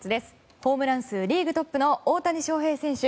ホームラン数リーグトップの大谷翔平選手